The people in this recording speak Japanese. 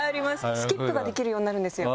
スキップができるようになるんですよ